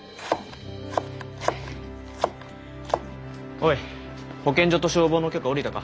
おい保健所と消防の許可下りたか？